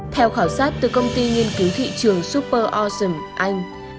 theo khảo sát từ công ty nghiên cứu thị trường super ocean anh